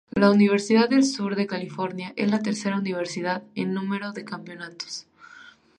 La Universidad del Sur de California es la tercera universidad en número de campeonatos.